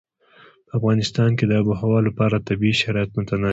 په افغانستان کې د آب وهوا لپاره طبیعي شرایط مناسب دي.